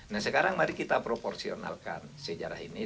nah sekarang mari kita proporsionalkan sejarah ini